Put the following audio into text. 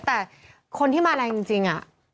แต่คนที่มารักจริงอะ